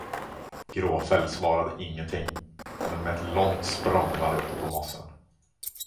Gråfäll svarade ingenting, men med ett långt språng var han ute på mossen.